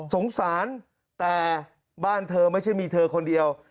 สงสารแต่บ้านเธอไม่ใช่มีเธอคนเดียว